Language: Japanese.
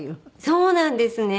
そうなんですね。